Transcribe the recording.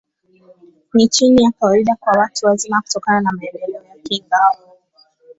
Ni chini ya kawaida kwa watu wazima, kutokana na maendeleo ya kinga.